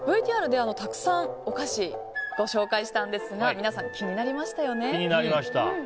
ＶＴＲで、たくさんお菓子をご紹介したんですが皆さん、気になりましたよね？